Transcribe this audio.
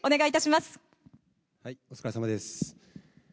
お疲れさまです。